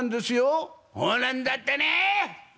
「ほうなんだってねえ！